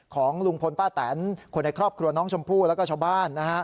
ของลุงพลป้าแตนคนในครอบครัวน้องชมพู่แล้วก็ชาวบ้านนะฮะ